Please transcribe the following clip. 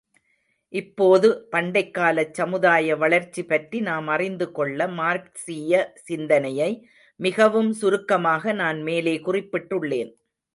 இப்போது, பண்டைக்காலச் சமுதாய வளர்ச்சிபற்றி நாம் அறிந்துள்ள மார்க்சீய சிந்தனையை மிகவும் சுருக்கமாக நான் மேலே குறிப்பிட்டுள்ளேன்.